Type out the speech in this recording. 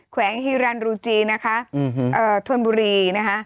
แวงฮีรันรูจีนะคะธนบุรีนะคะ